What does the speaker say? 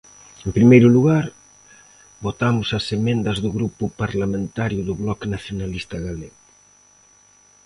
En primeiro lugar, votamos as emendas do Grupo Parlamentario do Bloque Nacionalista Galego.